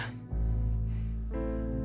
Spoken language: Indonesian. karena kau tidak boleh isi